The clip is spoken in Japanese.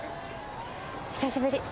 久しぶり！